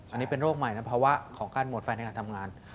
อันนี้เป็นโรคใหม่ในภาวะของการหมดแฟนในการทำงาน